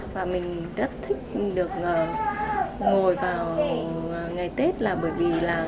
và mình rất thích được ngồi vào ngày tết là bởi vì là